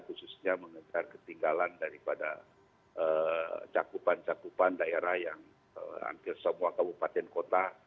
khususnya mengejar ketinggalan daripada cakupan cakupan daerah yang hampir semua kabupaten kota